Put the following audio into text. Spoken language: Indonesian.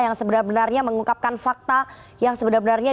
yang sebenarnya mengungkapkan fakta yang sebenarnya